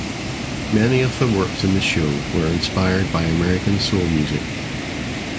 Many of the works in the show were inspired by American soul music.